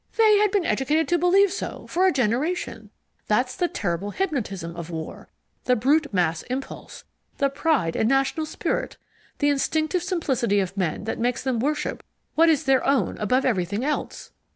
They had been educated to believe so, for a generation. That's the terrible hypnotism of war, the brute mass impulse, the pride and national spirit, the instinctive simplicity of men that makes them worship what is their own above everything else.